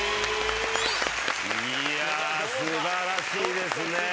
いや素晴らしいですね。